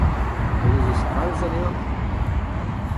Hag ez eus kalz anezhañ ?